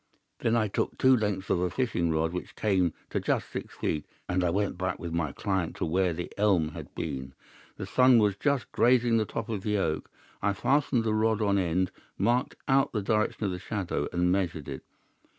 Then I took two lengths of a fishing rod, which came to just six feet, and I went back with my client to where the elm had been. The sun was just grazing the top of the oak. I fastened the rod on end, marked out the direction of the shadow, and measured it.